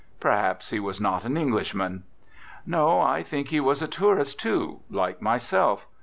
Perhaps he was not an Englishman. No, I think he was a tourist, too, like myself.